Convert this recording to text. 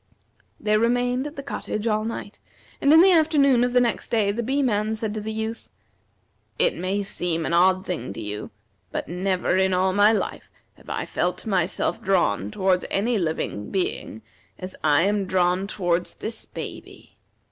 They remained at the cottage all night, and in the afternoon of the next day the Bee man said to the Youth: "It may seem an odd thing to you, but never in all my life have I felt myself drawn towards any living being as I am drawn towards this baby.